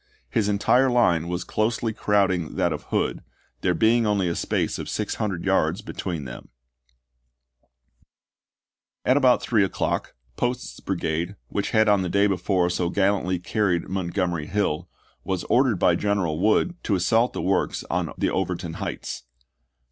His entire line was closely crowding that of Hood, there being only a space of 600 yards between them. 32 ABKAHAM LINCOLN Thomas, Report. chap. i. At about three o'clock, Post's brigade, which had on the day before so gallantly carried Montgomery Hill, was ordered by General Wood to assault the Dec. 16,1864. works on the Overton Heights.